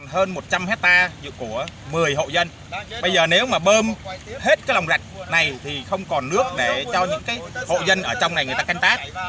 hơn một trăm linh hectare của một mươi hộ dân bây giờ nếu mà bơm hết cái lòng rạch này thì không còn nước để cho những hộ dân ở trong này người ta canh tác